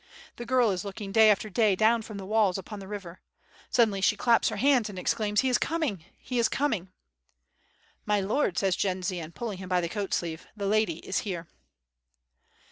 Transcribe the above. ... The girl is looking day after day down from the walls upon the river. Sud denly she claps her hands and exclaims "He is coming! he is coming!'' "My Lord,'^ says Jendzian, pulling him by the coat sleeve, "the lady is here